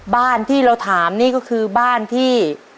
บ้านที่เราถามนี่ก็คือบ้านที่